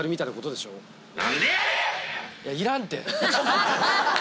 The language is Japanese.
いらんて！